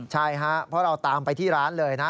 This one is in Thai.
ใช่ครับเพราะเราตามไปที่ร้านเลยนะ